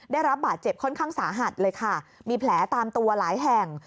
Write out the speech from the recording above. ได้รับบาดเจ็บค่อนข้างสาหัสเลยค่ะมีแผลตามตัวหลายแห่ง